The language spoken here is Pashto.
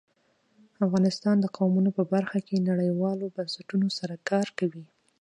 افغانستان د قومونه په برخه کې نړیوالو بنسټونو سره کار کوي.